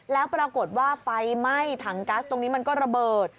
แล้วปรากฏว่าไฟไหม้ถังกัสตรงนี้มันก็ระเบิด